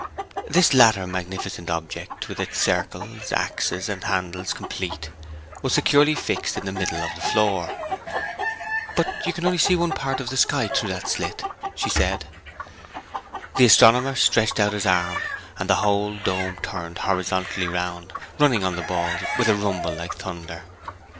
This latter magnificent object, with its circles, axes, and handles complete, was securely fixed in the middle of the floor. 'But you can only see one part of the sky through that slit,' said she. The astronomer stretched out his arm, and the whole dome turned horizontally round, running on the balls with a rumble like thunder.